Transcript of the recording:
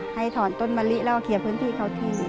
ให้ถอนต้นมะลิแล้วก็เคลียร์พื้นที่เขาทิ้ง